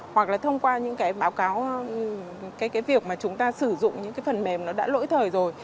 hoặc là thông qua những cái báo cáo cái việc mà chúng ta sử dụng những cái phần mềm nó đã lỗi thời rồi